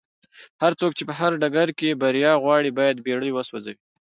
هرڅوک چې په هر ډګر کې بريا غواړي بايد بېړۍ وسوځوي.